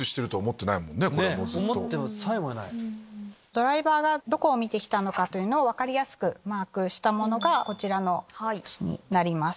ドライバーがどこを見てたのかを分かりやすくマークしたものがこちらの図になります。